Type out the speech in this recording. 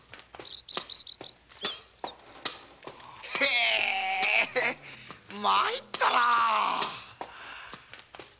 へぇまいったな。